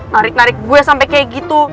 narik narik gue sampai kayak gitu